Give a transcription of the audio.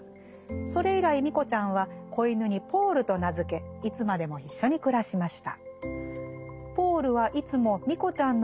それ以来ミコちゃんは仔犬にポールと名付けいつまでも一緒に暮らしました」。